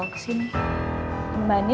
maaf kalau aku boleh tanya